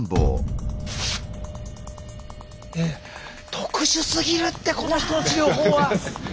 特殊すぎるってこの人の治療法は！